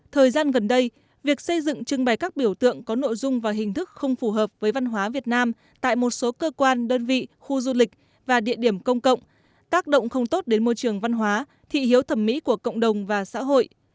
thời gian gần đây việc xây dựng trưng bày các biểu tượng có nội dung và hình thức không phù hợp với văn hóa việt nam tại một số cơ quan đơn vị khu du lịch và địa điểm công cộng tác động không tốt đến môi trường văn hóa thị hiếu thẩm mỹ của cộng đồng và xã hội